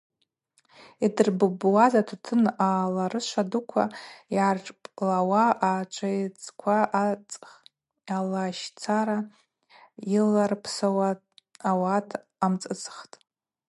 Йдрыббуаз атутын аларыша дуква йгӏаршӏпӏлауа ачӏвецква ацӏх алащцара йыларпсауа ауат амцӏыцӏхтӏ.